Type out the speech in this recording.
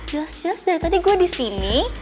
jelas jelas dari tadi gue disini